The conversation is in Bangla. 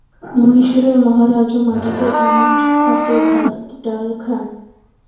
মহীশূরের মহারাজও মাটিতে আঙট পাতে ভাত ডাল খান।